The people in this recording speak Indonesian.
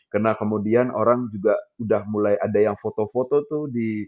karena kemudian orang juga sudah mulai ada yang foto foto tuh